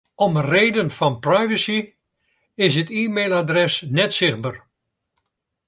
Om reden fan privacy is it e-mailadres net sichtber.